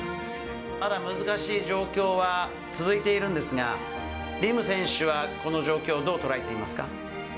まだ難しい状況は続いているんですが、輪夢選手はこの状況をどう捉えていますか？